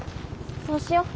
そうしよう。